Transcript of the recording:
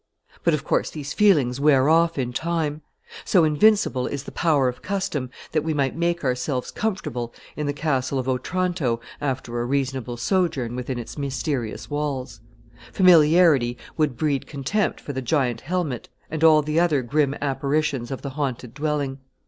But of course these feelings wear off in time. So invincible is the power of custom, that we might make ourselves comfortable in the Castle of Otranto, after a reasonable sojourn within its mysterious walls: familiarity would breed contempt for the giant helmet, and all the other grim apparitions of the haunted dwelling.